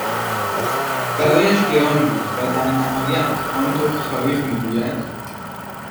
برایش گران بود و در نهایت آنطور که تاریخ می گوید،